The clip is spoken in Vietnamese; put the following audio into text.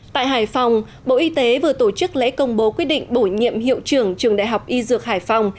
tại hải phòng bộ y tế vừa tổ chức lễ công bố quyết định bổ nhiệm hiệu trưởng trường đại học y dược hải phòng